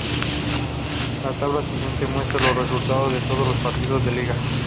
La tabla siguiente muestra los resultados de todos los partidos de liga.